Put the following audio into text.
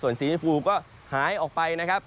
ส่วนสีชมพูก็หายออกไปนะครับ